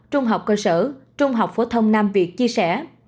trung học cơ sở trung học phổ thông nam việt chia sẻ